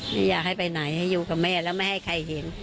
ไม่อยากให้ไปไหนให้อยู่กับแม่แล้วไม่ให้ใครเห็น